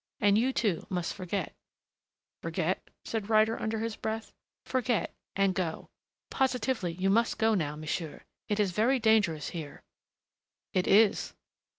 And you, too, must forget " "Forget?" said Ryder under his breath. "Forget and go. Positively you must go now, monsieur. It is very dangerous here " "It is."